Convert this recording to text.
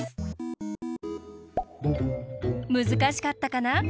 むずかしかったかな？